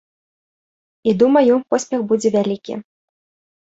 І, думаю, поспех будзе вялікі.